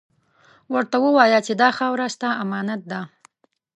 ورته ووایه چې دا خاوره ، ستا امانت ده.